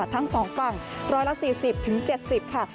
ทั้ง๒ฝั่งร้อยละ๔๐๗๐ค่ะ